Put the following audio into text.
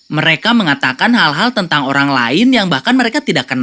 mereka mengatakan hal hal tentang orang lain yang bahkan mereka tidak kenal